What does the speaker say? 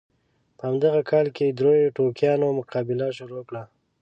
په همدغه کال کې دریو ټوکیانو مقابله شروع کړه.